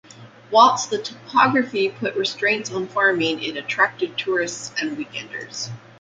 Whilst the topography put restraints on farming it attracted tourists and weekenders.